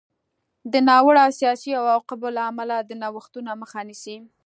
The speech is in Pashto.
د ناوړه سیاسي عواقبو له امله د نوښتونو مخه نیسي.